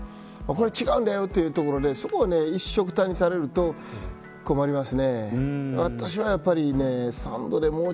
これ違うんだというところで一色淡にされると困ります。